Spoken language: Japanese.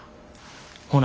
ほな。